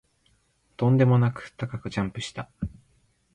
とんでもなく高くジャンプした